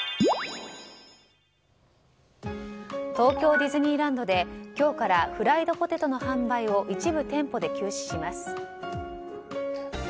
東京ディズニーランドで今日からフライドポテトの販売を一部店舗で休止します。